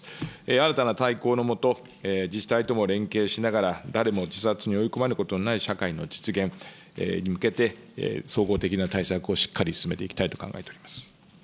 新たな大綱の下、自治体とも連携しながら、誰も自殺に追い込まれることのない社会の実現に向けて、総合的な対策をしっかり進めていきたいと考えております。